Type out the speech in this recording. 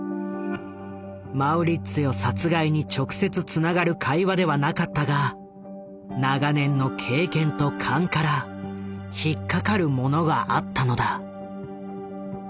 マウリッツィオ殺害に直接つながる会話ではなかったが長年の経験と勘から引っ掛かるものがあったのだ。